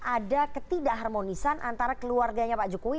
ada ketidak harmonisan antara keluarganya pak jokowi